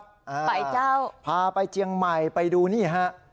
ไปเจ้าพาไปเจียงใหม่ไปดูนี่ฮะ